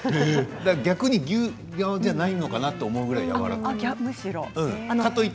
逆に牛革ではないのかなと思うくらい、やわらかい。